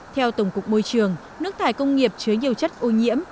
theo tổng cục môi trường nước thải công nghiệp chứa nhiều chất ô nhiễm